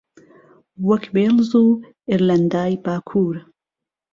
وەک وێڵز و ئێرلەندای باکوور